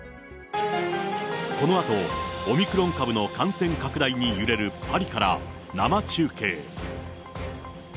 このあと、オミクロン株の感染拡大に揺れるパリから、生中継。